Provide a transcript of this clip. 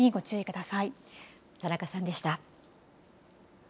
田中さんでした。